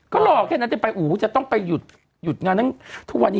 ก็รอแค่นั้นต้องไปหุ้ยต้องไปหยุด๕๕๕๕๕๕๕๕ยุตอย่างนั้นทั่ววัน